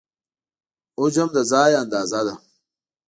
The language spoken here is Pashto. حجم د ځای اندازه ده.